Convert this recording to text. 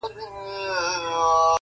لاس دي راکه چي مشکل دي کړم آسانه!.